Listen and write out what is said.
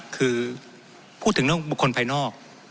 คือพูดถึงเรื่องบุคคลภายนอก